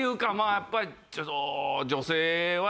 やっぱりちょっと。